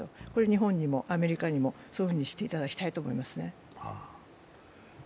日本にもアメリカにもそういうふうにしていただきたいと思いますね。